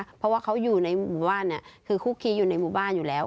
เพราะว่าเขาอยู่ในหมู่บ้านคือคุกคีอยู่ในหมู่บ้านอยู่แล้ว